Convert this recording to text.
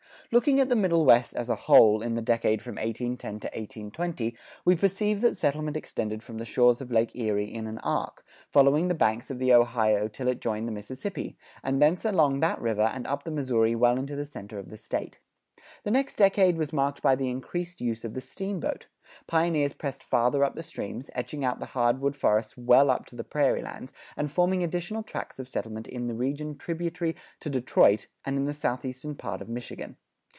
Looking at the Middle West, as a whole, in the decade from 1810 to 1820, we perceive that settlement extended from the shores of Lake Erie in an arc, following the banks of the Ohio till it joined the Mississippi, and thence along that river and up the Missouri well into the center of the State. The next decade was marked by the increased use of the steamboat; pioneers pressed farther up the streams, etching out the hard wood forests well up to the prairie lands, and forming additional tracts of settlement in the region tributary to Detroit and in the southeastern part of Michigan.